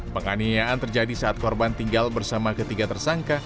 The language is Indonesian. penganiayaan terjadi saat korban tinggal bersama ketiga tersangka